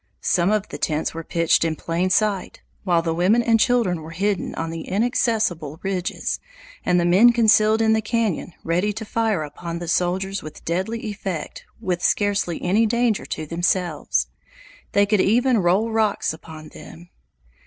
Some of the tents were pitched in plain sight, while the women and children were hidden on the inaccessible ridges, and the men concealed in the canyon ready to fire upon the soldiers with deadly effect with scarcely any danger to themselves. They could even roll rocks upon them.